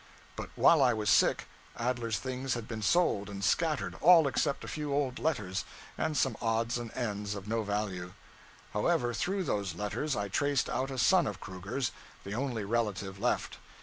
But while I was sick, Adler's things had been sold and scattered, all except a few old letters, and some odds and ends of no value. However, through those letters, I traced out a son of Kruger's, the only relative left.